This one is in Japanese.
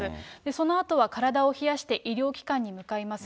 そのあとは体を冷やして、医療機関に向かいます。